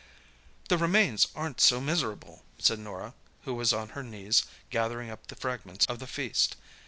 "The remains aren't so miserable," said Norah, who was on her knees gathering up the fragments of the feast.